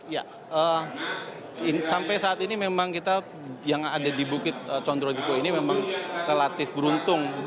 ya sampai saat ini memang kita yang ada di bukit condro jepo ini memang relatif beruntung